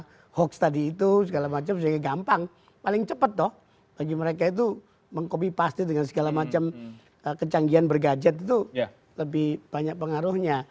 ya jadi semua hoax tadi itu segala macam sehingga gampang paling cepet toh bagi mereka itu mengkopipasti dengan segala macam kecanggihan bergadget itu lebih banyak pengaruhnya